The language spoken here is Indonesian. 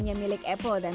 tapi juga yang terkenal